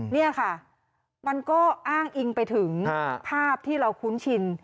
นี่ค่ะมันก็อ้างอิงไปถึงภาพที่เราคุ้นชิน